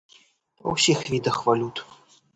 Па ўсіх відах валют.